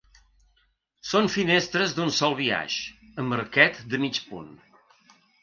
Són finestres d'un sol biaix, amb arquet de mig punt.